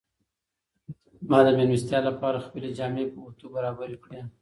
ما د مېلمستیا لپاره خپلې جامې په اوتو برابرې کړې.